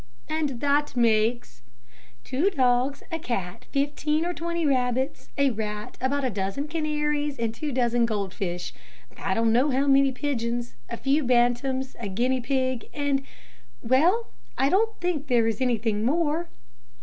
"And that makes " "Two dogs, a cat, fifteen or twenty rabbits, a rat, about a dozen canaries, and two dozen goldfish, I don't know how many pigeons, a few bantams, a guinea pig, and well, I don't think there is anything more."